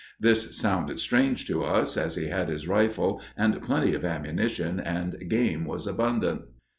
This sounded strange to us as he had his rifle and plenty of ammunition and game was abundant.